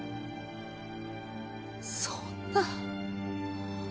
そんな。